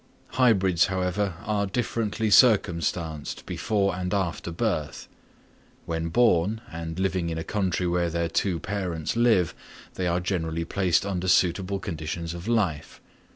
Hybrids, however, are differently circumstanced before and after birth: when born and living in a country where their two parents live, they are generally placed under suitable conditions of life.